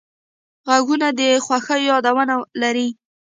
غوږونه د خوښیو یادونه لري